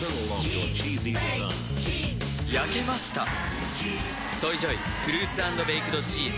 焼けました「ＳＯＹＪＯＹフルーツ＆ベイクドチーズ」